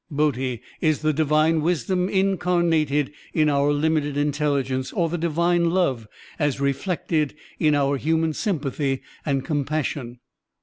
Bodhi is the divine wisdom incarnated in our limited intelligence, or the divine love as reflected in our human sympathy and compassion.